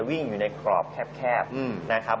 วิ่งอยู่ในกรอบแคบนะครับ